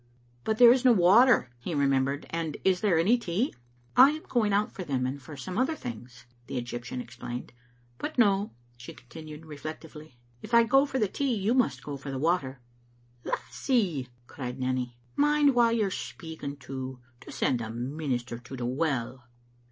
"But there is no water," he remembered, "and is there any tea?" " I am going out for them and for some other things," the Egyptian explained. " But no," she continued, re flectively, "if I go for the tea, you must go for the water." "Lassie," cried Nanny, " mind wha you're speaking to. To send a minister to the well